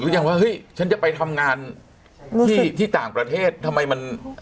ยังว่าเฮ้ยฉันจะไปทำงานที่ต่างประเทศทำไมมัน